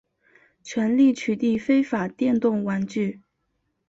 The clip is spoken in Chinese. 全力取缔非法电动玩具